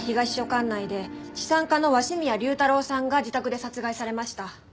管内で資産家の鷲宮竜太郎さんが自宅で殺害されました。